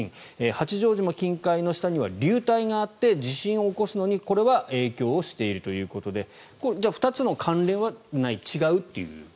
八丈島近海の下には流体があって地震を起こすのにこれは影響しているということでじゃあ２つの関連はない違うという？